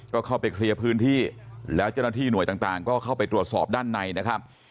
ก็เข้าไปเคลียร์พื้นที่แล้วเจ้าหน้าที่หน่วยต่างก็เข้าไปตรวจสอบด้านในนะครับ